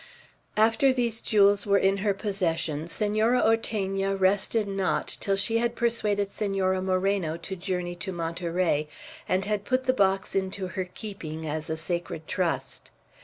After these jewels were in her possession, Senora Ortegna rested not till she had persuaded Senora Moreno to journey to Monterey, and had put the box into her keeping as a sacred trust.